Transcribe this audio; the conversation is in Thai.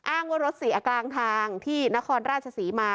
ว่ารถเสียกลางทางที่นครราชศรีมา